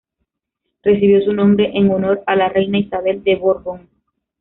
Recibió su nombre en honor a la reina Isabel de Borbón.